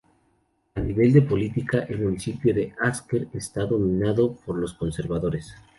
A nivel de política el municipio de Asker está dominado por los conservadores.